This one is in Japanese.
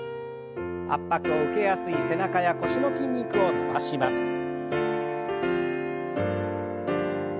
圧迫を受けやすい背中や腰の筋肉を伸ばします。